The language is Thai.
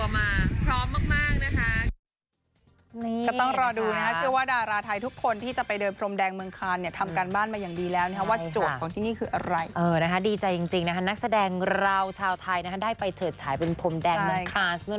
วันนี้ถือว่าเป็นครั้งแรกเลยที่ได้มาทานฟิล์มเซ็นต์จ